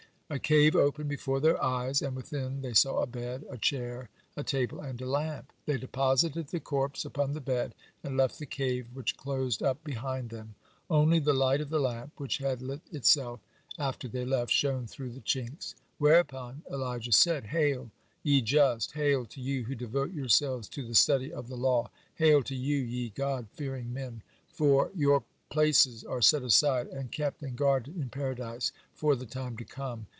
A cave opened before their eyes, and within they saw a bed, a chair, a table, and a lamp. They deposited the corpse upon the bed, and left the cave, which closed up behind them. Only the light of the lamp, which had lit itself after they left, shone through the chinks. Whereupon Elijah said: "Hail, ye just, hail to you who devote yourselves to the study of the law. Hail to you, ye God fearing men, for your places are set aside, and kept, and guarded, in Paradise, for the time to come.